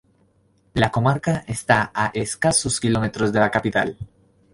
La comarca esta a escasos kilómetros de la capital.